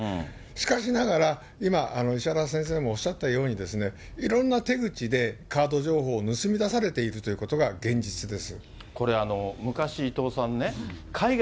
しかしながら今、石原先生もおっしゃったように、いろんな手口でカード情報を盗み出されているということが現実でこれ、昔、伊藤さんね、海外